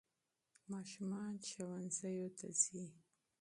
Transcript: ماشومان ښوونځیو ته ځي.